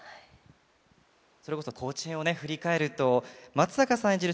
それこそ高知編を振り返ると松坂さん演じる